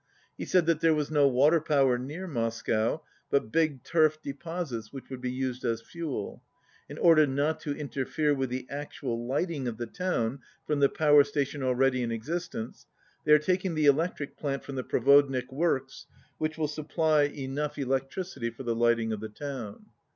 He said that there was no water power near Moscow but big turf deposits which would be used as fuel. In order not to interfere with the actual lighting of the town from the power station already in existence, they are taking the electric plant from the Provodnik works, which will supply enough 129 electricity for the lighting of the town.